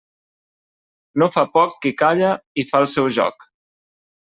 No fa poc qui calla i fa el seu joc.